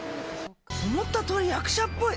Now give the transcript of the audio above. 思ったとおり役者っぽい！